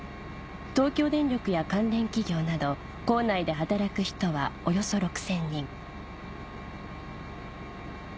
東京電力や関連企業など構内で働く人はおよそ６０００人